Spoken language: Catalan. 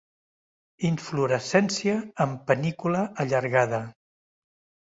Inflorescència en panícula allargada.